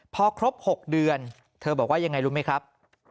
พอครบ๖เดือนเธอบอกว่ายังไงรู้ไหมครับ